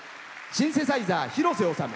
シンセサイザー、広瀬修。